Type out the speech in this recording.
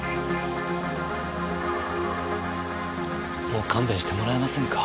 もう勘弁してもらえませんか？